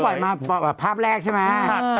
หลายที่หวัดมาภาพแรกใช่ไหม